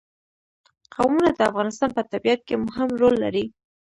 قومونه د افغانستان په طبیعت کې مهم رول لري.